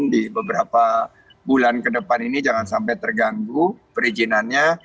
di beberapa bulan ke depan ini jangan sampai terganggu perizinannya